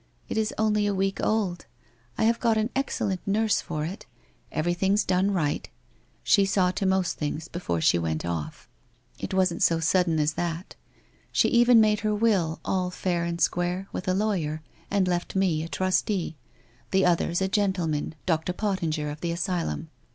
It is only a week old. I have got an excellent nurse for it. Everything's done right. She saw to most things before she went off. It 430 WHITE ROSE OF WEARY LEAF wasn't so sudden as that. She even made her will all fair and square, with a lawyer, and left me a trustee. The other's a gentleman, Dr. Pottinger, of the asylum.